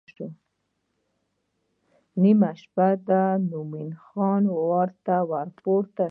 نیمه شپه ده مومن خان ورته ورپورته شو.